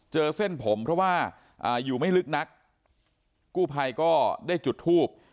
เส้นผมเพราะว่าอยู่ไม่ลึกนักกู้ภัยก็ได้จุดทูบ